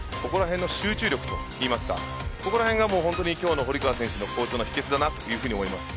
集中力といいますかここら辺が今日の堀川選手の好調の秘訣だなと思います。